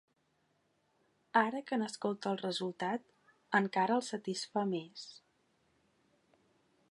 Ara que n'escolta el resultat encara el satisfà més.